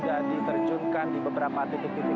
jadi maka kita bisa menunjukkan di beberapa titik titik